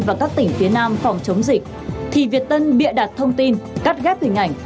và các tỉnh phía nam phòng chống dịch thì việt tân bịa đặt thông tin cắt ghép hình ảnh